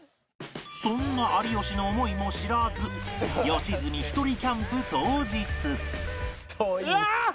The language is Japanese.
そんな有吉の思いも知らず良純ひとりキャンプ当日